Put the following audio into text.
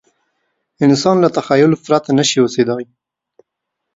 انسان له تخیل پرته نه شي اوسېدای.